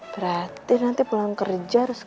berarti nanti pulang kerja harus ke mana ini